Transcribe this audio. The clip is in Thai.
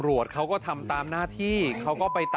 อีหน้าใหม่ออกไป